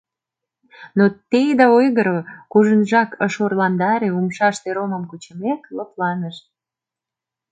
Но те ида ойгыро, кужунжак ыш орландаре, умшаште ромым кучымек, лыпланыш.